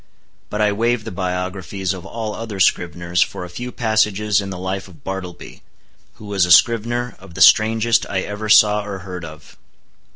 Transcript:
But I waive the biographies of all other scriveners for a few passages in the life of Bartleby, who was a scrivener of the strangest I ever saw or heard of.